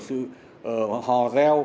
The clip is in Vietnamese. sự hò ra